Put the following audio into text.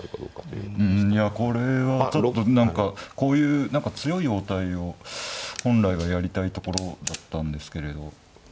うんいやこれはちょっと何かこういう何か強い応対を本来はやりたいところだったんですけれど。